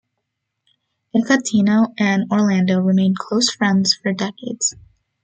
Infantino and Orlando remained close friends for decades.